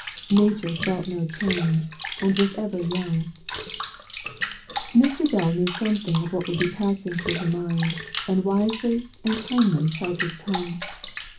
Nature felt no change and was ever young. Mr. Bell knew something of what would be passing through her mind, and wisely and kindly held his tongue.